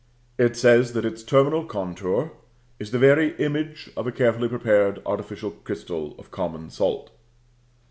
It says that its terminal contour is the very image of a carefully prepared artificial crystal of common salt.